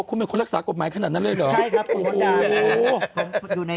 อ๋อคุณเป็นคนรักษากฎหมายขนาดนั้นเลยเหรอช่ายครับคุณก่อนดาวน์